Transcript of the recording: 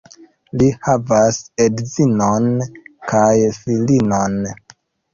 Li havas edzinon kaj filinon.